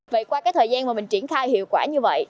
vậy qua cái thời gian mà mình triển khai hiệu quả như vậy